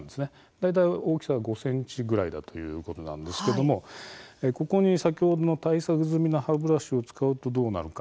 大体大きさは５ｃｍぐらいということなんですがここに先ほどの対策済みの歯ブラシを使うとどうなるのか。